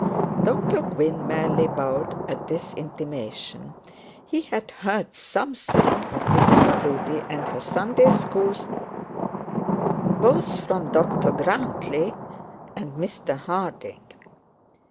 Dr Gwynne merely bowed at this intimation. He had something of Mrs Proudie and her Sunday schools, both from Dr Grantly and Mr Harding.